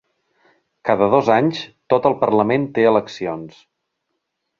Cada dos anys, tot el Parlament té eleccions.